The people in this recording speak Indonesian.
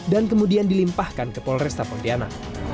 dan kemudian dilimpahkan ke polrestapotiana